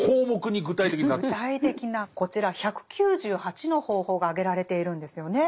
具体的なこちら１９８の方法が挙げられているんですよね。